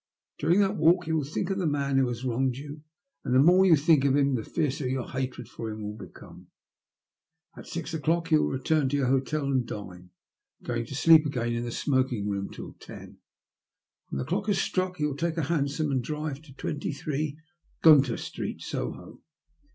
During that walk you will think of the man who has wronged you, and the more you think of him the fiercer your hatred for him will become. At six o'clock you will return to your hotel and dine, going to sleep again in the smoking room till ten. When the clock has struck you will wake, take a hansom, and drive to 23, Great Gunter Street, Soho.